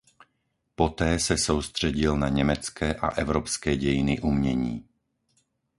Poté se soustředil na německé a evropské dějiny umění.